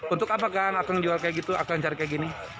untuk apa kang akang jual kayak gitu akang cari kayak gini